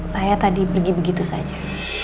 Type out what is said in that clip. saya tadi pergi begitu saja